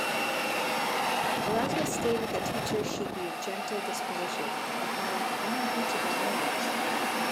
Erasmus stated that teachers should be of gentle disposition and have unimpeachable morals.